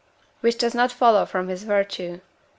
which does not follow from his virtue.